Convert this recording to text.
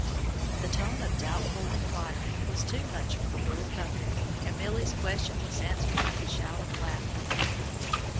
The tone of doubtful inquiry was too much for the little company, and Milly's question was answered by a shout of laughter.